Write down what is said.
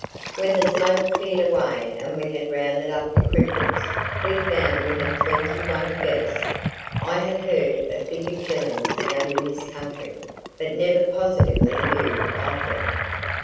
When the smoke cleared away and we had rounded up the cripples we found we had twenty one geese. I have heard of bigger killings out in this country, but never positively knew of them."